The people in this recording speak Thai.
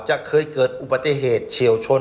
จะเคยเกิดอุบัติเหตุเฉียวชน